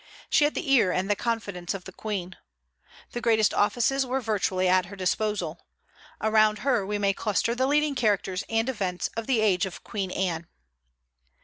She had the ear and the confidence of the Queen. The greatest offices were virtually at her disposal. Around her we may cluster the leading characters and events of the age of Queen Anne.